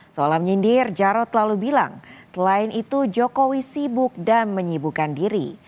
seolah menyindir jarod lalu bilang selain itu jokowi sibuk dan menyibukkan diri